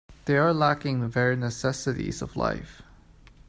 They are lacking the very necessities of life.